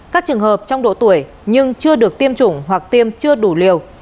các trường hợp trong độ tuổi nhưng chưa được tiêm chủng hoặc tiêm chưa đủ liều